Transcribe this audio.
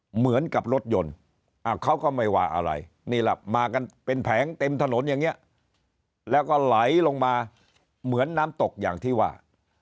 เหมือนกับรถยนต์เขาก็ไม่ว่าอะไรนี่ล่ะมากันเป็นแผงเต็มถนนอย่างนี้แล้วก็ไหลลงมาเหมือนน้ำตกอย่างที่ว่า